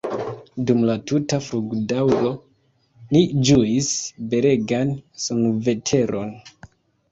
Dum la tuta flugdaŭro ni ĝuis belegan sunveteron.